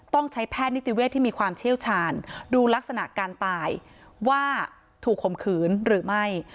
ต้องใช้แพทย์นิติเวศที่มีความเชี่ยวชาญดูลักษณะการตายว่าถูกข่มขืนหรือไม่